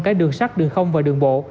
cả đường sắt đường không và đường bộ